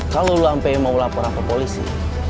kalau lo ampe mau laporan ke polisi